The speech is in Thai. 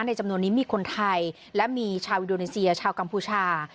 จำนวนนี้มีคนไทยและมีชาวอินโดนีเซียชาวกัมพูชา